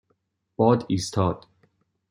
باد ایستاد.